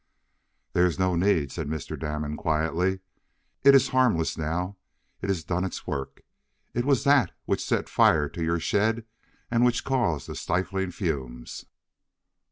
"There is no need," said Mr. Damon, quietly. "It is harmless now. It has done its work. It was that which set fire to your shed, and which caused the stifling fumes."